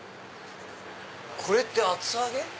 これって厚揚げ？